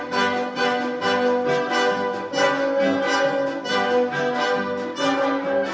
sampai jumpa di video selanjutnya